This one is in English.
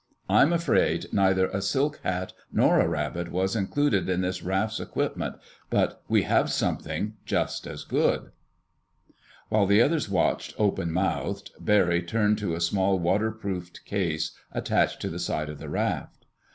I'm afraid neither a silk hat nor a rabbit was included in this raft's equipment, but we have something just as good." While the others watched, open mouthed, Barry turned to a small, waterproofed case attached to the side of the raft.